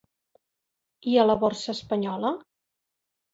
I a la borsa espanyola?